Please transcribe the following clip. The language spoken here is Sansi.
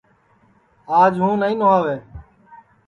آج ہوں نائی نھواوے